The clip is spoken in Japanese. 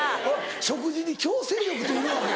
食事に強制力っているわけ？